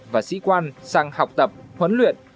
và sĩ quan sang học tập huấn luyện